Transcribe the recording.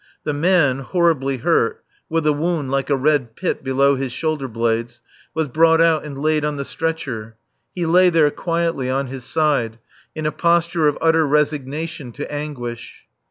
The man, horribly hurt, with a wound like a red pit below his shoulder blades, was brought out and laid on the stretcher. He lay there, quietly, on his side, in a posture of utter resignation to anguish.